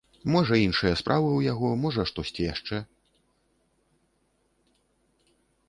Можа іншыя справы ў яго, можа штосьці яшчэ.